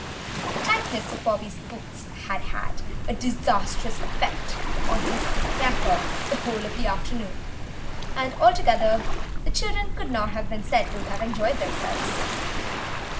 The tightness of Bobby's boots had had disastrous effect on his temper the whole of the afternoon, and altogether the children could not have been said to have enjoyed themselves.